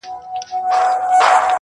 چي نه یې ګټه نه زیان رسېږي,